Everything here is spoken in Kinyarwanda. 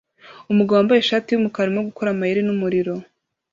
Umugabo wambaye ishati yumukara arimo gukora amayeri numuriro